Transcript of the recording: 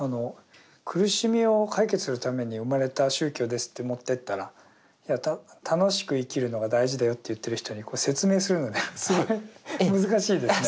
苦しみを解決するために生まれた宗教ですって持ってったら楽しく生きるのが大事だよって言ってる人に説明するのが難しいですね。